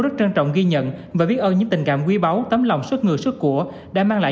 rất trân trọng ghi nhận và biết ơn những tình cảm quý báu tấm lòng xuất ngừa xuất của đã mang lại